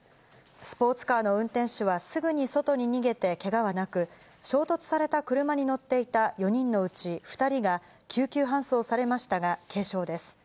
スポーツカーの運転手はすぐに外に逃げてけがはなく、衝突された車に乗っていた４人のうち２人が救急搬送されましたが、軽傷です。